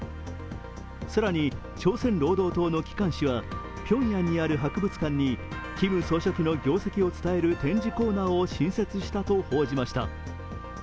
更に朝鮮労働党の機関紙はピョンヤンにある博物館にキム総書記の業績を伝える展示コーナーを新設したと報じました。